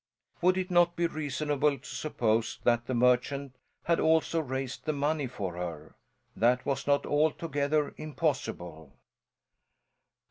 Would it not be reasonable to suppose that the merchant had also raised the money for her? That was not altogether impossible.